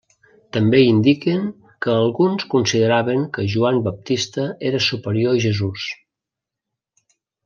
També indiquen que alguns consideraven que Joan Baptista era superior a Jesús.